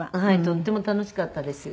とっても楽しかったです。